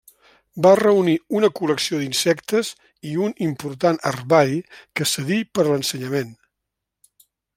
Va reunir una col·lecció d'insectes i un important herbari que cedí per a l'ensenyament.